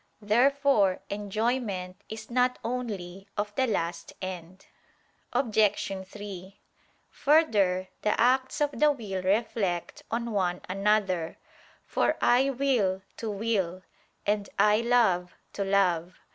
Therefore enjoyment is not only of the last end. Obj. 3: Further, the acts of the will reflect on one another; for I will to will, and I love to love.